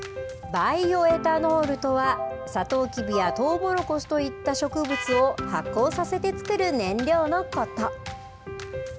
バイオエタノールとはさとうきびやとうもろこしといった植物を発酵させて作る燃料のこと。